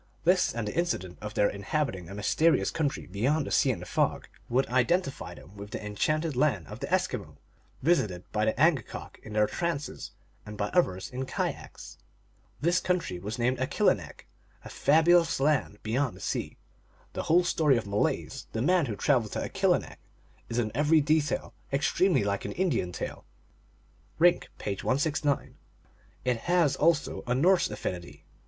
This and the incident of their in habiting a mysterious country beyond the sea and the fog would identify them with the enchanted land of the Eskimo, visited by the Angakok in their trances, and by others in kayaks. This country was named Alcilinelc, " a fabulous land beyond the sea." The whole story of Malaise, the man who traveled to Akilinek, is in every detail extremely like an Indian tale. (Rink, page 169.) It has also a Norse affinity.